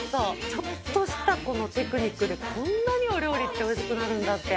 ちょっとしたこのテクニックでこんなにお料理って美味しくなるんだって。